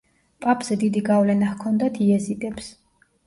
პაპზე დიდი გავლენა ჰქონდათ იეზიდებს.